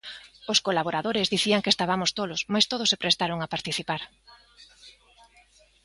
Os colaboradores dicían que estabamos tolos mais todos se prestaron a participar.